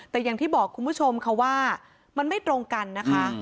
แต่อย่างที่บอกคุณผู้ชมค่ะว่ามันไม่ตรงกันนะคะ